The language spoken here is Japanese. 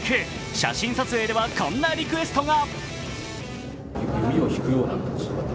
写真撮影ではこんなリクエストが。